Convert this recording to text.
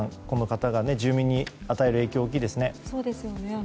この方が住民に与える影響は大きいですね。